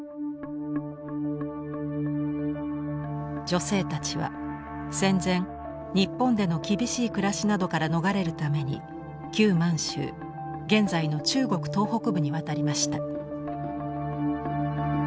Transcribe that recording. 女性たちは戦前日本での厳しい暮らしなどから逃れるために旧満州現在の中国東北部に渡りました。